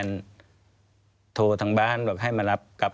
ควิทยาลัยเชียร์สวัสดีครับ